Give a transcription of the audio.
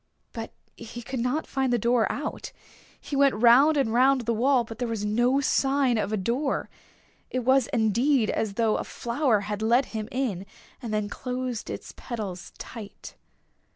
But he could not find the door out. He went round and round the wall, but there was no sign of a door. It was indeed as though a flower had let him in and then closed its petals tight.